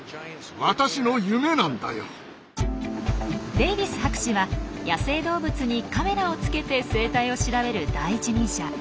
デイビス博士は野生動物にカメラをつけて生態を調べる第一人者。